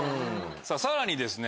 さらにですね